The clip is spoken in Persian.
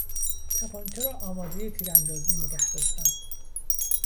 تپانچه را آمادهی تیراندازی نگهداشتن